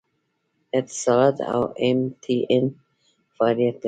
اتصالات او ایم ټي این فعالیت لري